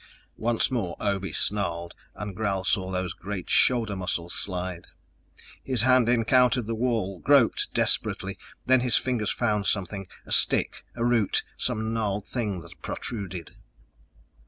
Once more Obe snarled, and Gral saw those great shoulder muscles slide. His hand encountered the wall, groped desperately; then his fingers found something a stick, a root, some gnarled thing that protruded....